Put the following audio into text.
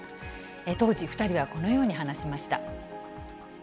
当時２人はこのように話しました。